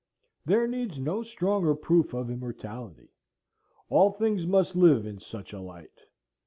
There needs no stronger proof of immortality. All things must live in such a light.